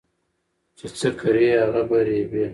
چي څه کرې هغه به رېبې